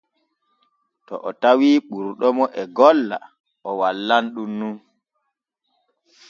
To o tawii ɓurɗomo e golla o wallan ɗun non.